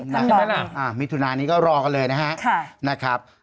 ใช่มิถุนายนี้ก็รอกันเลยนะครับ